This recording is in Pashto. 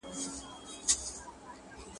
خپل پیر مي جام په لاس پر زنګانه یې کتاب ایښی.